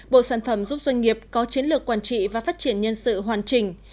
bộ sản phẩm giúp doanh nghiệp có chiến lược quản trị và phát triển nhân sự hoàn chỉnh